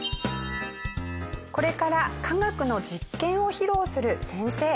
これから科学の実験を披露する先生。